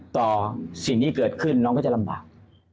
ต่อสิ่งที่เกิดขึ้นน้องก็จะลำบาก